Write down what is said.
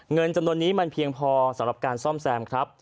เงินจำนวนนี้มันเพียงพอสำหรับการซ่อมแซมครับ